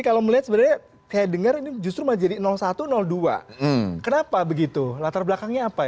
kenapa begitu latar belakangnya apa